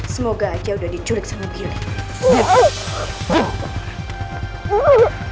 semoga aja udah diculik sama gili